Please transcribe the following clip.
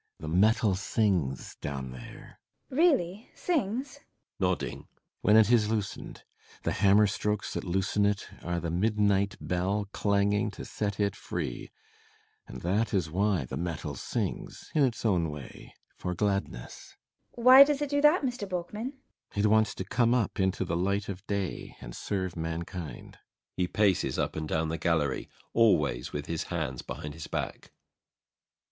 The metal sings down there. FRIDA. Really? Sings? BORKMAN. [Nodding.] When it is loosened. The hammer strokes that loosen it are the midnight bell clanging to set it free; and that is why the metal sings in its own way for gladness. FRIDA. Why does it do that, Mr. Borkman? BORKMAN. It wants to come up into the light of day and serve mankind. [He paces up and down the gallery, always with his hands behind his back.